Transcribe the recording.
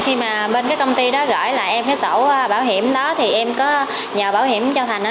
khi mà bên cái công ty đó gửi lại em cái sổ bảo hiểm đó thì em có nhờ bảo hiểm châu thành ở